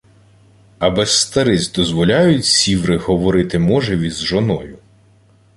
— А без стариць дозволяють сіври говорити можеві з жоною?